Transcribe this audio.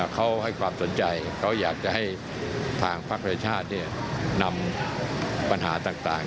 เขาให้ความสนใจเขาอยากจะให้ทางภักดิ์ประชาชาตินำปัญหาต่าง